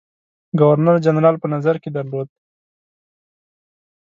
ګورنر جنرال په نظر کې درلودل.